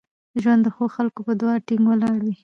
ژوند د ښو خلکو په دعاوو ټینګ ولاړ وي.